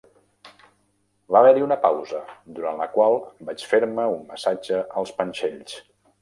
Va haver-hi una pausa, durant la qual vaig fer-me un massatge als panxells.